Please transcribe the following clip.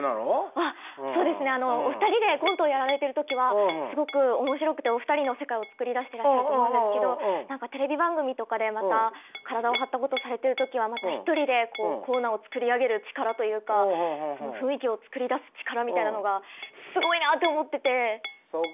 あっそうですねお二人でコントをやられてる時はすごく面白くてお二人の世界をつくり出してらっしゃると思うんですけど何かテレビ番組とかでまた体を張ったことをされてる時はまた一人でこうコーナーを作り上げる力というかその雰囲気を作り出す力みたいなのがすごいなって思ってて。